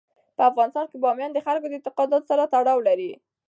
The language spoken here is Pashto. په افغانستان کې بامیان د خلکو د اعتقاداتو سره تړاو لري.